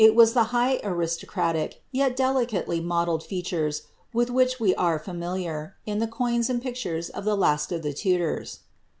It has the high aristocratic, yet delicately modelleil fea tures, with which we are familiar, in the coins and pictures of the last of the Tudors.